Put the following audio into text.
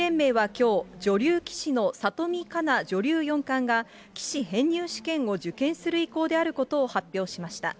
きょう、女流棋士の里見香奈女流四冠が、棋士編入試験を受験する意向であることを発表しました。